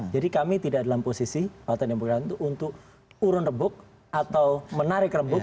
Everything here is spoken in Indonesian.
jadi kami tidak dalam posisi pak tandem bukalantun untuk urun rebuk atau menarik rebuk